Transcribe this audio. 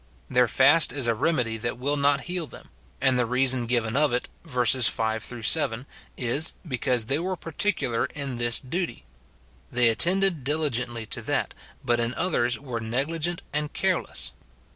Their fast is a remedy that will not heal them, and the reason given of it, verses 5 7, is, because they were particular in this duty — they attended diligently to that, but in others were negligent and careless."